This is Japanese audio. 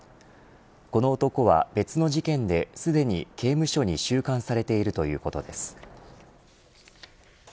この男は別の事件ですでに刑務所に収監されているということです。